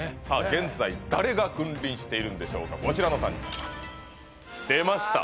現在誰が君臨しているんでしょうかこちらの三人出ました